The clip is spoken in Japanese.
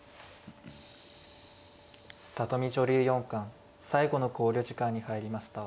里見女流四冠最後の考慮時間に入りました。